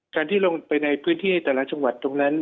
การที่ลงไปในพื้นที่แต่ละจังหวัดตรงนั้น